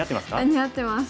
似合ってます。